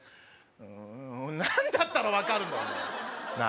うーん何だったら分かるんだお前な